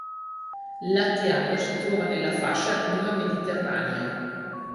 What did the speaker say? Latiano si trova nella fascia a clima mediterraneo.